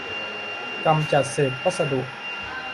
กำจัดเศษวัสดุ